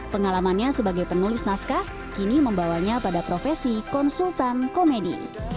pengalamannya sebagai penulis naskah kini membawanya pada profesi konsultan komedi